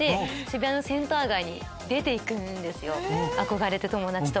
憧れて友達と。